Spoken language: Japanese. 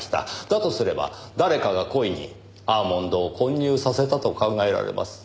だとすれば誰かが故意にアーモンドを混入させたと考えられます。